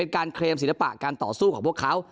เคลมศิลปะการต่อสู้ของพวกเขา